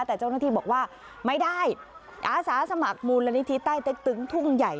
แต่เจ้าหน้าที่บอกว่าไม่ได้อาสาสมัครมูลนิธิใต้เต็กตึงทุ่งใหญ่